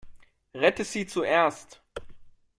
Rette sie zuerst!